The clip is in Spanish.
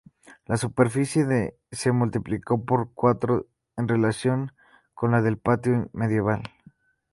La superficie se multiplicó por cuatro en relación con la del patio medieval.